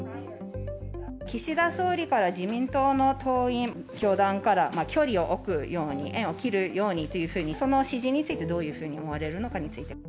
岸田総理から自民党の党員、教団から距離を置くように、縁を切るようにというふうに、その指示についてどういうふうに思われるのかについて。